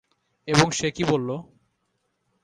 এবং সে কি বলল?